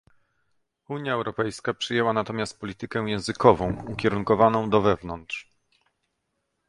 Unia Europejska przyjęła natomiast politykę językową ukierunkowaną do wewnątrz